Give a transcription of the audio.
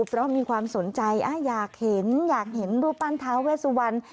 เพราะมีความสนใจอยากเห็นอยากเห็นรูปปั้นท้าเวสวัน